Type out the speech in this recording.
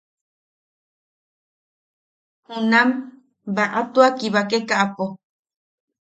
Junam baʼa tua kibakekaʼapo.